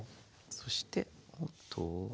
そしておっと。